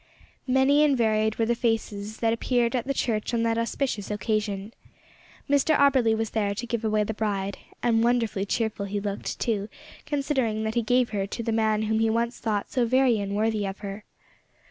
Many and varied were the faces that appeared at the church on that auspicious occasion. Mr Auberly was there to give away the bride, and wonderfully cheerful he looked, too, considering that he gave her to the man whom he once thought so very unworthy of her.